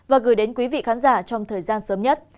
và gửi đến quý vị khán giả trong thời gian sớm nhất